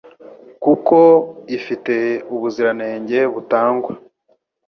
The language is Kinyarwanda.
kuko ifite ubuziranenge butangwa